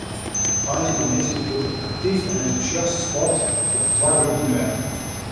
Woansdeitemiddeis wurdt der aktyf en entûsjast sport troch twa groepen bern.